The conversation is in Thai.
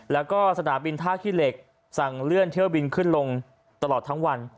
แล้วก็สนามบินท่าขี้เหล็กสั่งเลื่อนเที่ยวบินขึ้นลงตลอดทั้งวัน